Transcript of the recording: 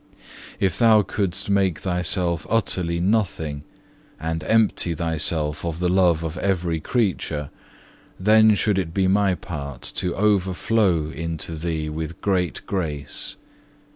If thou couldst make thyself utterly nothing, and empty thyself of the love of every creature, then should it be My part to overflow unto thee with great grace.